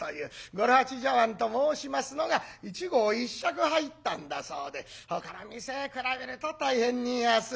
五郎八茶碗と申しますのが一合一勺入ったんだそうでほかの店比べると大変に安い。